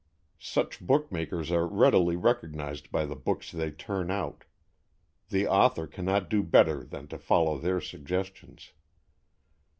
Such book makers are readily recognized by the books they turn out. The author cannot do better than to follow their suggestions.